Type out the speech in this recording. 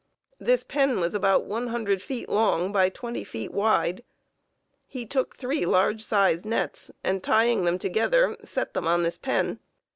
This pen was about one hundred feet long by twenty feet wide. He took three large sized nets, and, tying them together, set them on this pen.